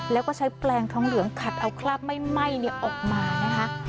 แล้วก็ใช้แปลงทองเหลืองขัดเอาคราบไหม้ออกมานะคะ